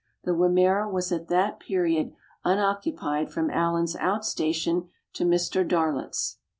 The Wimmera was at that period unoccupied from Allan's out station to Mr. Darlot's.